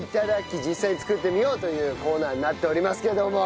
実際に作ってみようというコーナーになっておりますけれども。